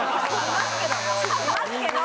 いますけど。